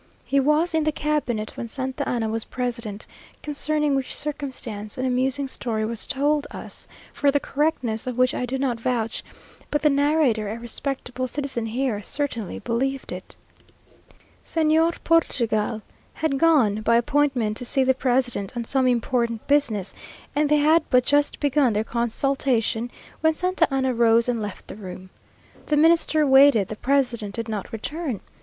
He was in the cabinet when Santa Anna was president, concerning which circumstance an amusing story was told us, for the correctness of which I do not vouch, but the narrator, a respectable citizen here, certainly believed it. Señor Portugal had gone, by appointment, to see the president on some important business, and they had but just begun their consultation, when Santa Anna rose and left the room. The Minister waited the president did not return.